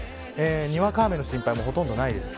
にわか雨の心配もほとんどないです。